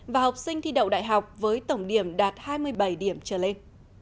và học sinh thi đậu đại học với tổng điểm đạt hai mươi bảy điểm trở lên